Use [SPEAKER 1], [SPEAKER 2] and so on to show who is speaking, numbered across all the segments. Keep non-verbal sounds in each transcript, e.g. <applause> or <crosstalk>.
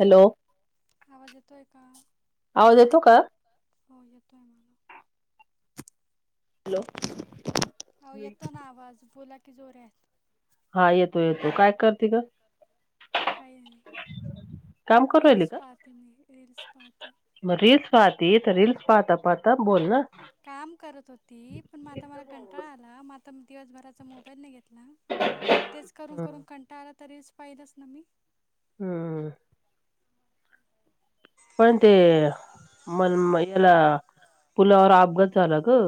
[SPEAKER 1] Hello
[SPEAKER 2] आवाज येतोये का? <inaudible>
[SPEAKER 1] आवाज येतो का? हॅलो.
[SPEAKER 2] अ येतो ना आवाज बोला की जोर्यात
[SPEAKER 1] हा येतो येतो, काय करते ग? काम करू राहिली
[SPEAKER 2] रिल्स
[SPEAKER 1] का?
[SPEAKER 2] पाहते मी, रिल्स पाहते.
[SPEAKER 1] मग रीलस पाहते तर रीलस पाहता पाहता बोल ना
[SPEAKER 2] काम करत होती पण म आता मला कंटाळ आला दिवसभराचा मोबाईल नाही घेतला ना, तेच करून करून कंटाळा आला आता रिल्स पाहिलंच ना मी.
[SPEAKER 1] हम् पण ते मन ह्याला पुलावर अपघात झाला ग.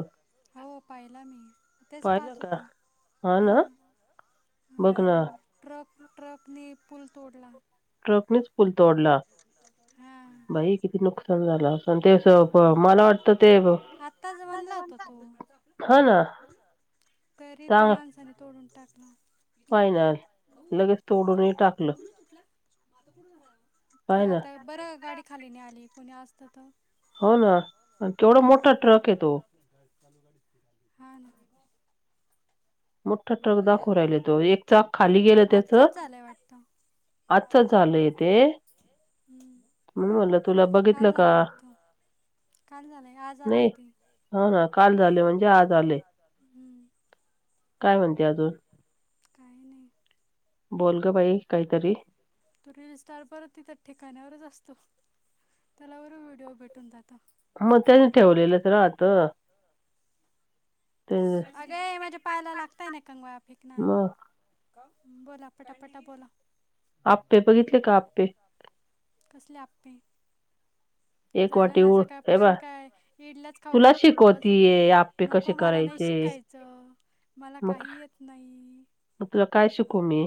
[SPEAKER 2] हो पाहिला मी. तेच
[SPEAKER 1] पाहिलं
[SPEAKER 2] पाहत
[SPEAKER 1] का? हा ना बघ
[SPEAKER 2] ह
[SPEAKER 1] ना
[SPEAKER 2] ट्रक ट्रकने पुूल तोडला
[SPEAKER 1] ट्रकनेच पूल तोडला.
[SPEAKER 2] हां
[SPEAKER 1] बाई किती नुकसान झालं असेल त्यांचं प,
[SPEAKER 2] हां ना
[SPEAKER 1] मला वाटतं ते
[SPEAKER 2] आत्ताच बनला होता तो
[SPEAKER 1] हा ना
[SPEAKER 2] तरी त्या माणसानी तोडून टाकला.
[SPEAKER 1] पाह्य ना, लगेच तोडूनही टाकलं
[SPEAKER 2] <inaudible>
[SPEAKER 1] आहे ना.
[SPEAKER 2] आता बरं गाडी खाली नि आली कोणी असत तर
[SPEAKER 1] हो ना केवढा मोठा ट्रक आहे तो
[SPEAKER 2] हा
[SPEAKER 1] मोठा ट्रक दाखव राहिला तो एक चाक खाली गेलं त्याच
[SPEAKER 2] आजचाच झालाय वाटतं
[SPEAKER 1] आजच झालंय ते
[SPEAKER 2] हम्म.
[SPEAKER 1] म्ह म्हटलं तुला
[SPEAKER 2] काल
[SPEAKER 1] बघितलं का
[SPEAKER 2] झालाय वाटतं काल झालंय आज आलंय
[SPEAKER 1] नाही
[SPEAKER 2] ते
[SPEAKER 1] हा ना काल झाले म्हणजे आज आले
[SPEAKER 2] हम्म.
[SPEAKER 1] काय म्हणते अजून
[SPEAKER 2] काही नाही
[SPEAKER 1] बोल ग बाई काहीतरी
[SPEAKER 2] तो रील स्टार परत तथ ठिकाण्यावरच असतो त्यालावर व्हिडिओ भेटून जातो
[SPEAKER 1] मग त्यानी ठेवलेलंच राहत ते
[SPEAKER 2] अगे म्हणजे पाहायला लागतय ना कंगवा फेक ना
[SPEAKER 1] ह
[SPEAKER 2] बोला पटापटा बोला
[SPEAKER 1] आपपे बघितले का आपपे
[SPEAKER 2] झाार ना
[SPEAKER 1] उळ हे बा
[SPEAKER 2] सकाळपासून काय इडलाच खाऊ
[SPEAKER 1] तुला
[SPEAKER 2] घारता का बस
[SPEAKER 1] शिकवतीये आप्पे कसे
[SPEAKER 2] नको मारा नाही
[SPEAKER 1] करायचे
[SPEAKER 2] शिकायचं मला
[SPEAKER 1] मग
[SPEAKER 2] काही येत नाही
[SPEAKER 1] मग तुला काय शिकू मी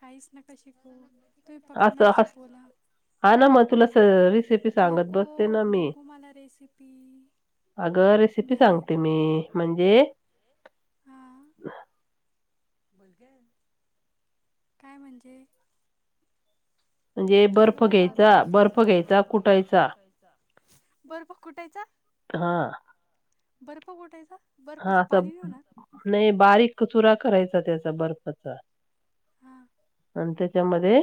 [SPEAKER 2] काहीच न क शिक तु फक्त
[SPEAKER 1] असं
[SPEAKER 2] मशी
[SPEAKER 1] हस
[SPEAKER 2] बोला
[SPEAKER 1] हा ना मग तुला स रेसिपी सांगत
[SPEAKER 2] नको
[SPEAKER 1] बसते ना मी
[SPEAKER 2] नको मला रेसिपी
[SPEAKER 1] अगं रेसिपी
[SPEAKER 2] नाही ऐक
[SPEAKER 1] सांगते मी म्हणजे
[SPEAKER 2] हां काय म्हणजे
[SPEAKER 1] म्हणजे बर्फ घ्यायचा बर्फ घ्यायचा कुटायचा
[SPEAKER 2] बरं प कुठायचा
[SPEAKER 1] हा
[SPEAKER 2] बरप गोटायता
[SPEAKER 1] हा असं नाही बारीक चुरा करायचा त्याचा बर्फचा
[SPEAKER 2] हां
[SPEAKER 1] आणि त्याच्यामध्ये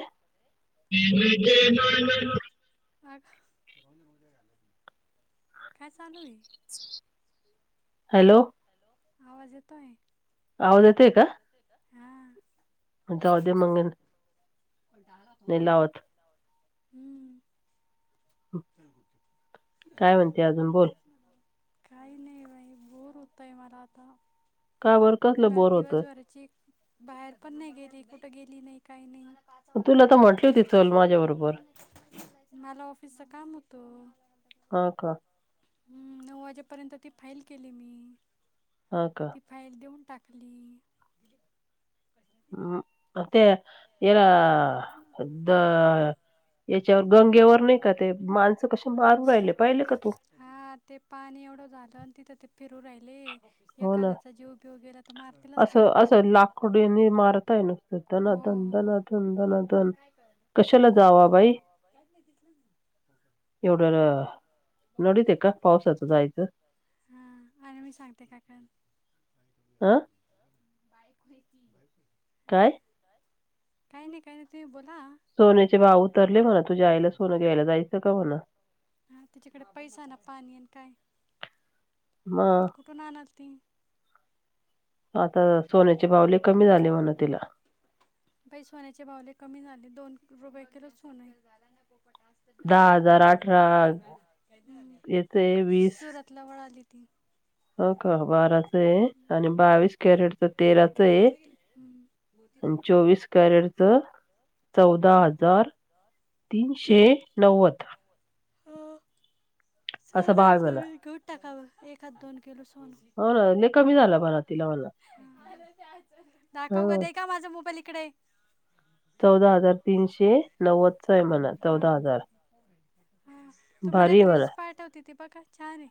[SPEAKER 2] अ काय चालू आहे
[SPEAKER 1] हॅलो
[SPEAKER 2] आवाज येतोय
[SPEAKER 1] आवाज येतेय का
[SPEAKER 2] हां
[SPEAKER 1] म्ह जावद मगन नाही लावत
[SPEAKER 2] हम्म
[SPEAKER 1] काय म्हणते अजून बोल
[SPEAKER 2] काही नाही बाई बोर होतय मला आता
[SPEAKER 1] का बर कसलं
[SPEAKER 2] मला
[SPEAKER 1] बोर होत
[SPEAKER 2] दिवसभराची बाहेर पण नाही गेली कुठं गेली नाही काही नाही
[SPEAKER 1] तुला तर म्हंटली होती चल माझ्या बरोबर
[SPEAKER 2] पैसा काम होतो
[SPEAKER 1] हा का
[SPEAKER 2] हम्म नऊ वाजेपर्यंत ती फाईल केली मी
[SPEAKER 1] हा का
[SPEAKER 2] ती फाईल देऊन टाक खाली
[SPEAKER 1] हम् ते एरा द याच्यावर गंगेवर नाही का ते माणसं कस मारून राहिले पाहिले का तू
[SPEAKER 2] हा ते पाणी एवढं झालं आणि तिथं ते फिरू राहिले
[SPEAKER 1] हो ना
[SPEAKER 2] एखाद्याचा जेव उपयोगेला
[SPEAKER 1] असं असं लाखोड यांनी मारताय नसतं धनादन धनादन धनादन
[SPEAKER 2] ला
[SPEAKER 1] एवढा
[SPEAKER 2] ह आ म सांगते काक
[SPEAKER 1] आ
[SPEAKER 2] बा
[SPEAKER 1] काय.
[SPEAKER 2] काही नाही, काही नाही ते बोल.
[SPEAKER 1] सोन्याचे भाव उतरले म्हणा, तुझ्या आईला सोनं घ्यायला जायचं का म्हणा.
[SPEAKER 2] हा तिच्याकडे पैसा ना पाणी काय,
[SPEAKER 1] मग
[SPEAKER 2] कुठून आणल ती.
[SPEAKER 1] आता सोन्याचे भाव लई.
[SPEAKER 2] पैसवाण्याचे भाव ले कमी झाले दोन. रुपय केच हो.
[SPEAKER 1] दहा हजार, अठरा येत वीस.
[SPEAKER 2] त <unintelligible>
[SPEAKER 1] हो का बाराच आहे, आणि बावीस कॅरेटच तेराच आहे.
[SPEAKER 2] धगपती हम्म
[SPEAKER 1] आणि चोवीस कॅरेटच चौदा
[SPEAKER 2] हम्म.
[SPEAKER 1] हजार. तीनशे नव्वद. असा भाव आहे म्हणा
[SPEAKER 2] चालेल-चालेल कवठ टाका एक हात दोन किलो सोन.
[SPEAKER 1] हो ना लय कमी झाला बाळ आता.
[SPEAKER 2] दाखव
[SPEAKER 1] ह
[SPEAKER 2] दे का माझ्या मोबाईल इकडे
[SPEAKER 1] चौदा हजार तीनशे नव्वदचां आहे म्हणा
[SPEAKER 2] हा
[SPEAKER 1] चौदा हजार
[SPEAKER 2] हा तुम्हाला
[SPEAKER 1] भारी
[SPEAKER 2] एक
[SPEAKER 1] आहे म्हणा
[SPEAKER 2] रीलल्स पाठवते, ती बघा छान आहे.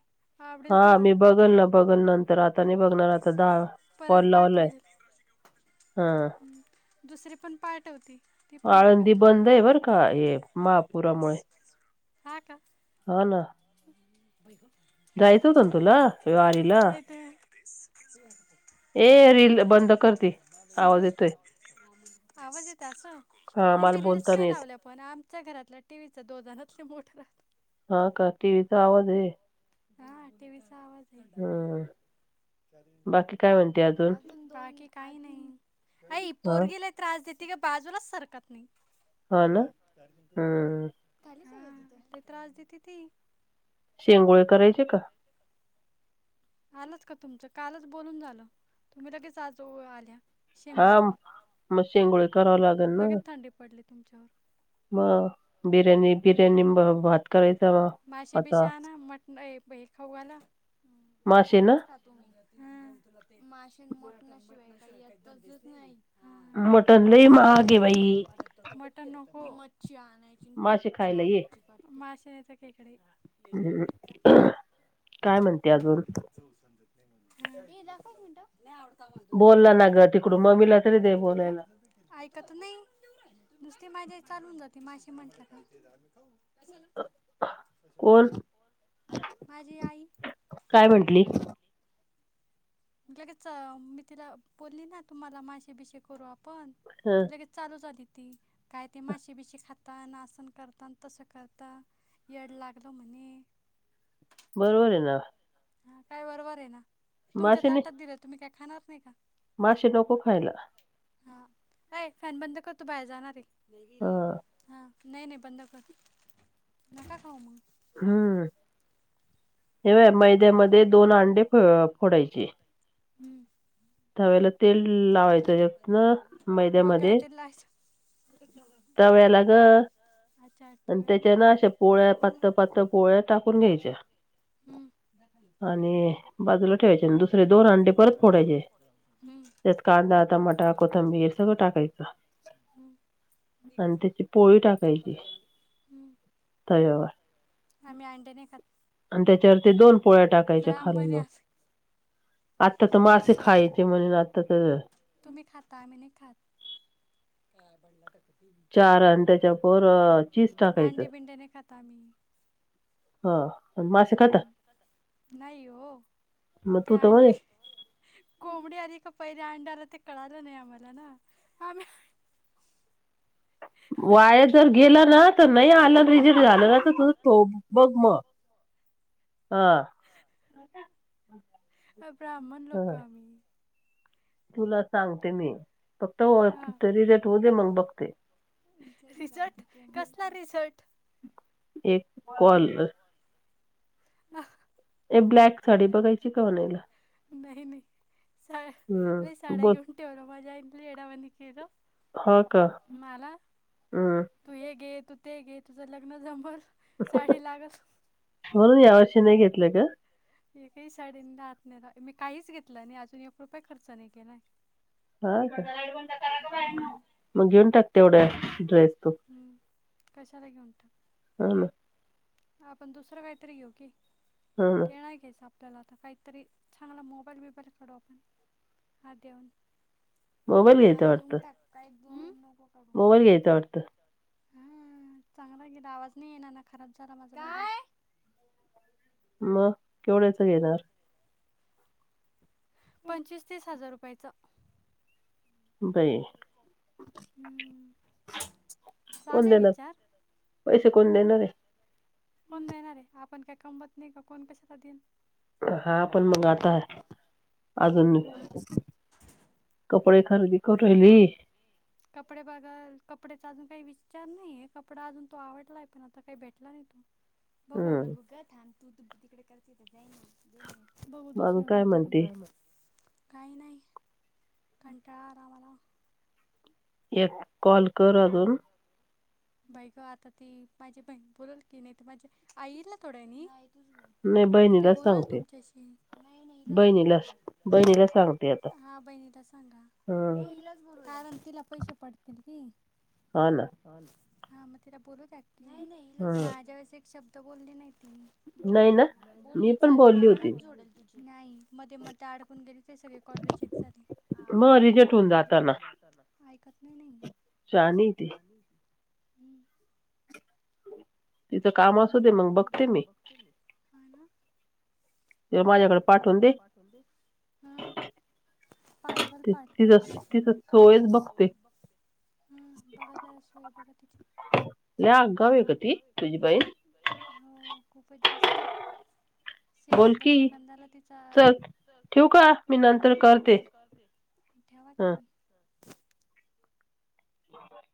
[SPEAKER 1] हा
[SPEAKER 2] आवडेल
[SPEAKER 1] मी
[SPEAKER 2] तुम्हाला
[SPEAKER 1] बघल ना, बघल नंतर आता नाही बघणार आता दहा.
[SPEAKER 2] परत
[SPEAKER 1] कॉल लावलाय
[SPEAKER 2] पाठवेल,
[SPEAKER 1] हा
[SPEAKER 2] दुसरी पण पाठवती. ती पण बघा
[SPEAKER 1] आळंदी बंद आहे बर का, हे. महापुरामुळे, हा ना.
[SPEAKER 2] बग <unintelligible>
[SPEAKER 1] जायचं होतं ना तुला वारीला.?
[SPEAKER 2] नाही <unintelligible>
[SPEAKER 1] ए रील बंद कर ते.
[SPEAKER 2] आवाज येत अस.
[SPEAKER 1] हा
[SPEAKER 2] नाही
[SPEAKER 1] मला
[SPEAKER 2] मी रीलल्स
[SPEAKER 1] बोलता
[SPEAKER 2] नाही
[SPEAKER 1] येत
[SPEAKER 2] लावल्या पण, आमच्या घरातल्या टी. व्ही दो जणतले मोटर आह.
[SPEAKER 1] हा काकीचा आवाज हे.
[SPEAKER 2] हा टि. व्हीचा आवाज.
[SPEAKER 1] बाकी काय म्हणते
[SPEAKER 2] अजून बाकी काही नाही. अई इ
[SPEAKER 1] हा
[SPEAKER 2] पोरगी लय त्रास देती ग, बाजूला सरकत नाही.
[SPEAKER 1] हा ना हम्म
[SPEAKER 2] <unintelligible> हा लई त्रास देती ती.
[SPEAKER 1] शेंगोळे करायचे का.
[SPEAKER 2] आलंच का तुमचं, कालच बोलून झालं तुम्ही लगेच आज आल्या.
[SPEAKER 1] हा
[SPEAKER 2] शेंगोळ्यावर
[SPEAKER 1] मग शेंगोळे कराव
[SPEAKER 2] लगेच
[SPEAKER 1] लागत.
[SPEAKER 2] थंडी पडली तुमच्यावर
[SPEAKER 1] मग बिर्याणी-बिर्याणी भात करायचं.
[SPEAKER 2] मासे बीसे आणा मट ये बाई खाऊ घाला.
[SPEAKER 1] मासे ना
[SPEAKER 2] माशे मोठ ना शिवाय का नाही.
[SPEAKER 1] मटण लई महाग आहे बाई.
[SPEAKER 2] हो मच्छी आणायची,
[SPEAKER 1] मासे
[SPEAKER 2] मच्छीची
[SPEAKER 1] खायला
[SPEAKER 2] आणायची, मासे नाही तर खेकडे.
[SPEAKER 1] हम्म काय म्हणते अजून?
[SPEAKER 2] मी दाखवू मिनटं.
[SPEAKER 1] बोलला ना ग तिकडून मम्मीला तरी दे बोलायला
[SPEAKER 2] <unintelligible> <unintelligible> ऐकत नाही <unintelligible> त माझे चालून जाती. माशी म्हटलं ना
[SPEAKER 1] कोण
[SPEAKER 2] माझी आई
[SPEAKER 1] काय म्हंटली?
[SPEAKER 2] लगेच मी तिला बोलली ना तुम्हाला माझे बिषे करू पण,
[SPEAKER 1] ह
[SPEAKER 2] लगेच चालू झाली काय ती माशी बिशी खाता न असं करता, तसं करता येड लागलं म्हणे.
[SPEAKER 1] बरोबर हाय ना.
[SPEAKER 2] हा काय वरोबर आहे ना तुमच्या
[SPEAKER 1] मासे नाही
[SPEAKER 2] ताटात दिलं तुम्ही काय खाणार नाही का.
[SPEAKER 1] मासे नको खायला.
[SPEAKER 2] हा अ फॅन बंद कर तू बाहेर जाणार आहे
[SPEAKER 1] ह
[SPEAKER 2] ह. नाही नाही बंद कर नका खाऊ मग.
[SPEAKER 1] हम्म हेव. मैद्यामध्ये दोन अंडे फोडायचे
[SPEAKER 2] हम्म
[SPEAKER 1] त्यावे. तेल लावायचं एकत ना
[SPEAKER 2] डोक्याला
[SPEAKER 1] मैद्यामध्ये.
[SPEAKER 2] तेल लावायचं
[SPEAKER 1] त्याव्याला ग.
[SPEAKER 2] अच्छा
[SPEAKER 1] आणि
[SPEAKER 2] अठ्ठावे
[SPEAKER 1] त्याच्या ना अशा पोळ्या पातळ पातळ पोळ्या टाकून घ्यायच्या.
[SPEAKER 2] हम्म
[SPEAKER 1] आणि बाजूला ठेवायचे आणि दुसरे दोन अंडे परत फोडायचे
[SPEAKER 2] हम्म
[SPEAKER 1] त्यात. कांदा टमाटा कोथंबीर सगळं टाकायचं.
[SPEAKER 2] हम्म
[SPEAKER 1] आणि त्याची पोळी टाकायची
[SPEAKER 2] हम्म
[SPEAKER 1] तव्यावर.
[SPEAKER 2] आम्ही अंडे नहीं खात.
[SPEAKER 1] आणि त्याच्यावर ते दोन पोळ्या टाकायच्या
[SPEAKER 2] ब्राह्मण आहे
[SPEAKER 1] खालवर
[SPEAKER 2] आम्ही
[SPEAKER 1] आता तर मासे खायचे म्हणून आता. तर
[SPEAKER 2] तुम्ही खाता आम्ही नाही खात.
[SPEAKER 1] चार आणि त्याच्यावर अ, चीज टाकायचं
[SPEAKER 2] आंडे बिंडेने खाता मी.
[SPEAKER 1] हा मासे खता.
[SPEAKER 2] नाही हो त्या
[SPEAKER 1] तर म्हणे
[SPEAKER 2] अंडे कोंबडी आधी का. पहिले अंडायला ते कळालं नाही आम्हाला ना आम्ही.
[SPEAKER 1] वाया जर गेला ना तर नाही आलं रिजे झालं ना तर तुझो बघ. हो हा.
[SPEAKER 2] ब्राह्मण लोक
[SPEAKER 1] <unintelligible> <inaudible>
[SPEAKER 2] आम्ही
[SPEAKER 1] तुला सांगते मी फक्त
[SPEAKER 2] हा
[SPEAKER 1] तरी रेट हो दे मग बघते.
[SPEAKER 2] रिझल्ट कसला रिझल्ट
[SPEAKER 1] एक कल.
[SPEAKER 2] <inaudible>
[SPEAKER 1] एक ब्लॅक साडी बघायची का म्हणायला.
[SPEAKER 2] नाही नाही सा ल
[SPEAKER 1] हम्म बोल
[SPEAKER 2] साडागे उटेव र मजा आंली येढावण केल.
[SPEAKER 1] हा का
[SPEAKER 2] मला
[SPEAKER 1] हम्म
[SPEAKER 2] तू हे गे तू ते गे तुझं लग्न जम.
[SPEAKER 1] म्हणून यावर्षी नाही घेतलं का.
[SPEAKER 2] एकही शाडी राहात नाही मी काहीच घेतलं नाही अजून एक रुपये खर्च नाही केलाय.
[SPEAKER 1] हा का
[SPEAKER 2] हम्म
[SPEAKER 1] मगगे उंट. तेवढ्या ड्रेस तू
[SPEAKER 2] हम्म कशाला घेऊन टाक
[SPEAKER 1] हा ना.
[SPEAKER 2] आपण दुसरं काहीतरी घेऊ की
[SPEAKER 1] हा ना
[SPEAKER 2] ते नाही घच आप ला आता काहीतरी चांगला मोबाईल बबाईलकडू आपण हा देऊन.
[SPEAKER 1] मोबाईल घ्यायच वाटतं. मोबाइल घ्यायचाय वाटत.
[SPEAKER 2] हा चांगला गेला आवाज नाही ये ना ना खराब झाला माझा
[SPEAKER 1] मग केवढ्याचं
[SPEAKER 2] मग
[SPEAKER 1] घेणार.
[SPEAKER 2] पंचवीस तीस हजार रुपयाचं.
[SPEAKER 1] बई.
[SPEAKER 2] हम्म चाले विचार.
[SPEAKER 1] मोठं झालाय.
[SPEAKER 2] कोण देणार आहे आपण काय कमबत नाही का कोण कशाला देईन.
[SPEAKER 1] हा पण मग आता अजून.
[SPEAKER 2] मग आता
[SPEAKER 1] पळ खर बी क रहिली.
[SPEAKER 2] कपडे बघा कपडे्याचा अजून काही विचार नाहीय कपडा अजून तो आवडलाय पण आता काही भेटला नाही तो. बघवा
[SPEAKER 1] हम्म
[SPEAKER 2] बघू तू तू तिकडे करते जा. बघ
[SPEAKER 1] मग अजून
[SPEAKER 2] दुसरं
[SPEAKER 1] काय
[SPEAKER 2] काही
[SPEAKER 1] म्हणते
[SPEAKER 2] का म. काही नाही कंटाळा आलामला.
[SPEAKER 1] एक कॉल कर अजून.
[SPEAKER 2] बाई ग आता ती माझी ब बोलल की नाही तर माझे आयकल थोडं मी
[SPEAKER 1] नाही बहिणीलाच सांगते बहिणीला बहिणीला सांगते आता.
[SPEAKER 2] हा बहिणीला सांगा
[SPEAKER 1] हम्म
[SPEAKER 2] नाहीला कारण तिला पैसे पडतील की,
[SPEAKER 1] हा ना
[SPEAKER 2] हा मग तिला बोलू देत नाही नाही ल
[SPEAKER 1] हम्म
[SPEAKER 2] माझ्या <unintelligible> एक शब्द बोलले नाही बोलू
[SPEAKER 1] नाही ना
[SPEAKER 2] दोल
[SPEAKER 1] मी
[SPEAKER 2] बोलली
[SPEAKER 1] पण
[SPEAKER 2] चल
[SPEAKER 1] बोलली होती
[SPEAKER 2] कान जोडेल तुझी नाही मध्ये म ते अडकून गेली सगळे कॉल रिजेक्ट झाले
[SPEAKER 1] मग रिजेक्ट होऊन
[SPEAKER 2] म्हणजे
[SPEAKER 1] जाताना
[SPEAKER 2] ऐकायला
[SPEAKER 1] शहाणी ती
[SPEAKER 2] हम्म
[SPEAKER 1] तिचं काम असू दे
[SPEAKER 2] काम
[SPEAKER 1] मग
[SPEAKER 2] असू दे
[SPEAKER 1] बघते
[SPEAKER 2] मग
[SPEAKER 1] मी
[SPEAKER 2] बघते मी
[SPEAKER 1] तिला माझ्याकडे पाठवून
[SPEAKER 2] हा पाठवाल
[SPEAKER 1] तिच
[SPEAKER 2] पाठवाल
[SPEAKER 1] तिच सोयच बघते
[SPEAKER 2] हम् बघा जायला सोय बघा तिची
[SPEAKER 1] लय आगाव आहे का ती तुझी बहीण
[SPEAKER 2] हो खूपच जास्त
[SPEAKER 1] बोल
[SPEAKER 2] शेकंदा
[SPEAKER 1] की
[SPEAKER 2] शेकंदाला तिचा
[SPEAKER 1] चल ठेवू का मी नंतर करते
[SPEAKER 2] ठेवा
[SPEAKER 1] हा
[SPEAKER 2] की
[SPEAKER 1] <unintelligible>